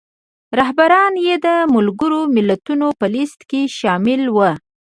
رهبران یې د ملګرو ملتونو په لیست کې شامل وو.